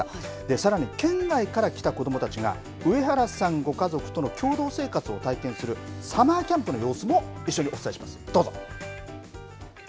さらに県外からきた子どもたちが上原さんご家族との共同生活を体験するサマーキャンプの様子も一緒にお伝えします。